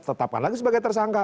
tetapkan lagi sebagai tersangka